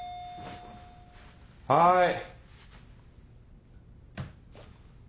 はい。